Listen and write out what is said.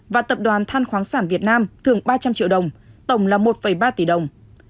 và tập đoàn than khoáng sản việt nam thưởng ba trăm linh triệu đồng tổng là một ba tỷ đồng